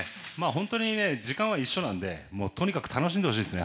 本当に時間は一緒なんでとにかく楽しんでほしいですね